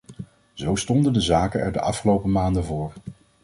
Zo stonden de zaken er de afgelopen maanden voor.